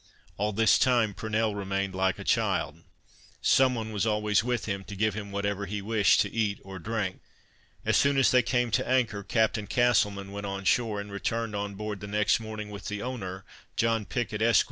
All this time Purnell remained like a child; some one was always with him, to give him whatever he wished to eat or drink. As soon as they came to anchor, Captain Castleman went on shore, and returned on board the next morning with the owner, John Picket, Esq.